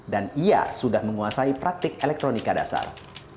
ia sudah menguasai praktik elektronika dasar